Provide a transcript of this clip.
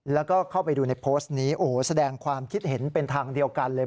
แล้วก็เข้าไปดูในโพสต์นี้โอ้โหแสดงความคิดเห็นเป็นทางเดียวกันเลย